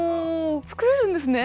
作れるんですね！